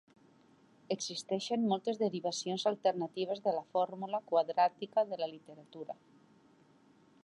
Existeixen moltes derivacions alternatives de la fórmula quadràtica en la literatura.